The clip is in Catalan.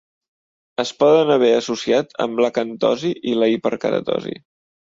Es poden haver associat amb l'acantosi i la hiperqueratosi.